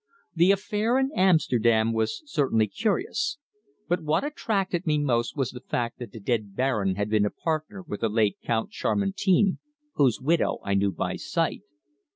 The affair in Amsterdam was certainly curious, but what attracted me most was the fact that the dead Baron had been a partner with the late Count Chamartin, whose widow I knew by sight.